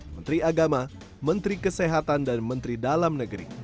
menteri agama menteri kesehatan dan menteri dalam negeri